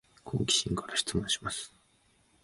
好奇心から質問します